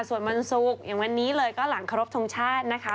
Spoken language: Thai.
ส่วนวันศุกร์อย่างวันนี้เลยก็หลังครบทรงชาตินะคะ